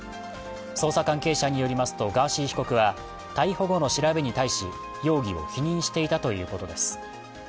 捜査関係者によりますとガーシー被告は、逮捕後の調べに対し容疑を否認していたということです。